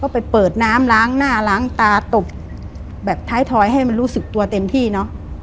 ไปเปิดน้ำล้างหน้าล้างตาตบแบบท้ายถอยให้มันรู้สึกตัวเต็มที่เนอะ